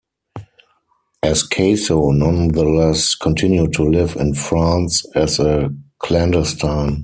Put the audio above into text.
Ascaso nonetheless continued to live in France as a clandestine.